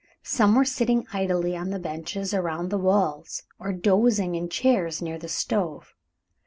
Some were sitting idly on the benches around the walls, or dozing in chairs near the stove.